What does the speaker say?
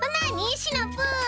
シナプー！